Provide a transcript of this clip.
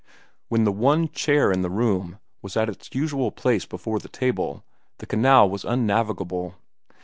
When the one chair in the room was at its usual place before the table, the canal was unnavigable.